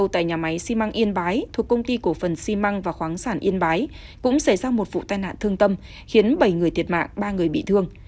tại nhà máy xi măng yên bái thuộc công ty cổ phần xi măng và khoáng sản yên bái cũng xảy ra một vụ tai nạn thương tâm khiến bảy người thiệt mạng ba người bị thương